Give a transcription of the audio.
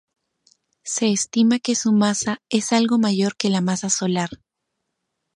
Se estima que su masa es algo mayor que la masa solar.